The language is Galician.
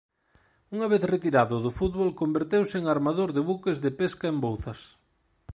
Unha vez retirado do fútbol converteuse en armador de buques de pesca en Bouzas.